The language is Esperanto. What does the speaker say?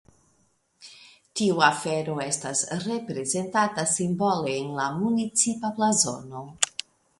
Tiu afero estas reprezentata simbole en la municipa blazono.